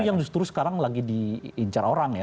yang justru sekarang lagi diincar orang ya